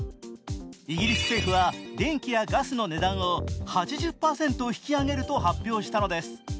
イギリス政府は、電気やガスの値段を８０％引き上げると発表したのです。